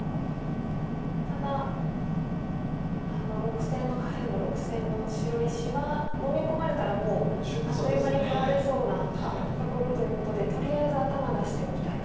ただ６線の下辺の６線の白石はのみ込まれたらもうあっという間に取られそうなところということでとりあえず頭出しておきたいと。